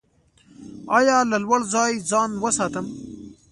ایا له لوړ ځای ځان وساتم؟